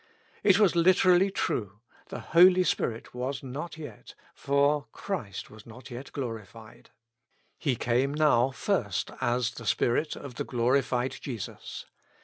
It was literally true "the Holy Spirit was not yet, for Christ was not yet glorified." He came now first as the Spirit of the glorified Jesus.